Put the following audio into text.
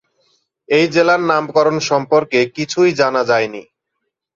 এই জেলার নামকরণ সম্পর্কে কিছুই জানা যায়নি।